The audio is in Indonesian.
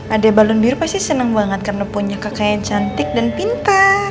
adek balun biru pasti seneng banget karena punya kakak yang cantik dan pintar